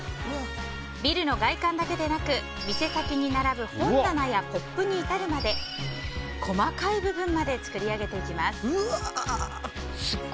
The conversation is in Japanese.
ビルの外観だけでなく店先に並ぶ本棚やポップに至るまで細かい部分まで作り上げていきます。